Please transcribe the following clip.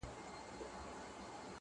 د وخت له کانه به را باسمه غمي د الماس.